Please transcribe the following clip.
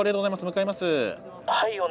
向かいます。